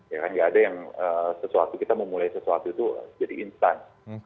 ya kan nggak ada yang sesuatu kita memulai sesuatu itu jadi instan